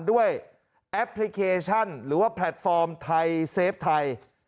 แอปพลิเคชันหรือว่าแพลตฟอร์มไทยเซฟไทย